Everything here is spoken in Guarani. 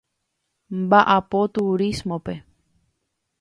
Mba'apo turismope.